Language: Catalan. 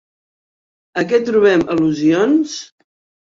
A què trobem al·lusions?